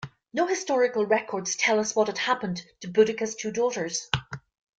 No historical records tell us what had happened to Boudica's two daughters.